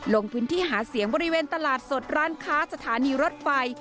ลงพื้นที่หาเสียงบริเวณตลาดสดร้านค้าสถานีรถไฟ